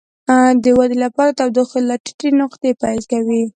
د ودې لپاره د تودوخې له ټیټې نقطې پیل کوي.